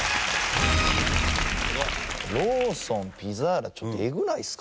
ローソンピザーラちょっとえぐないですか？